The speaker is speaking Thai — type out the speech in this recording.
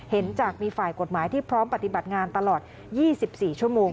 เห็นจากมีฝ่ายกฎหมายที่พร้อมปฏิบัติงานตลอด๒๔ชั่วโมง